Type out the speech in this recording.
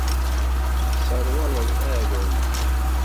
Tesserwaleḍ iɛdawen-iw.